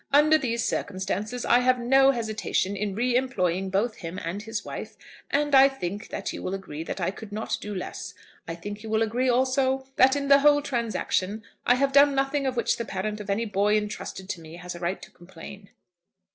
"Under these circumstances, I have no hesitation in re employing both him and his wife; and I think that you will agree that I could not do less. I think you will agree, also, that in the whole transaction I have done nothing of which the parent of any boy intrusted to me has a right to complain."